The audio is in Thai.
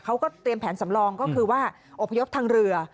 เขาก็เตรียมแผนสำรองก็คือว่าอพยพทางเรือ